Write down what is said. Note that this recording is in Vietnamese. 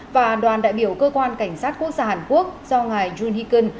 và đoàn đại biểu cơ quan cảnh sát quốc gia hàn quốc do ngài jun hee keun